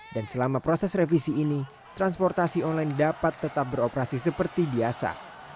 dan selama proses revisi ini transportasi online dapat tetap beroperasi seperti biasa